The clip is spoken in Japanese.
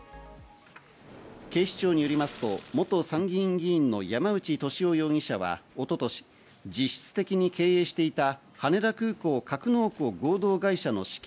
警視庁によりますと元参議院議員の山内俊夫容疑者は一昨年、実質的に経営していた羽田空港格納庫合同会社の資金